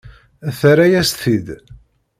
Terra-yas-t-id.